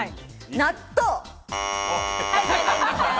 納豆。